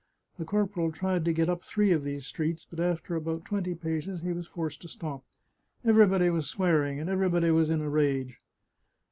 The corporal tried to get up three of these streets, but after about twenty paces he was forced to stop. Everybody was swearing, and everybody was in a rage.